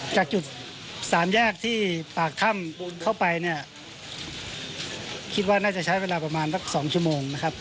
จากจุดสามแยกที่ปากถ้ำเข้าไปเนี่ยคิดว่าน่าจะใช้เวลาประมาณสัก๒ชั่วโมงนะครับ